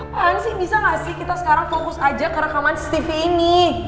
pak hansi bisa nggak sih kita sekarang fokus aja ke rekaman cctv ini